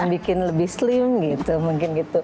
bikin lebih slim gitu mungkin gitu